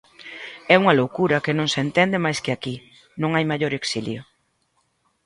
É unha loucura que non se entende máis que aquí: non hai maior exilio.